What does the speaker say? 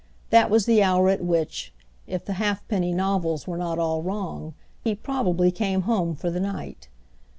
That was the hour at which, if the ha'penny novels were not all wrong, he probably came home for the night.